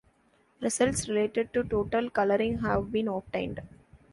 Results related to total coloring have been obtained.